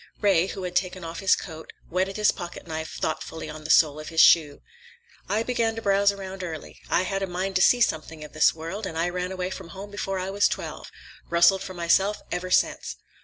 Ray, who had taken off his coat, whetted his pocketknife thoughtfully on the sole of his shoe. "I began to browse around early. I had a mind to see something of this world, and I ran away from home before I was twelve. Rustled for myself ever since."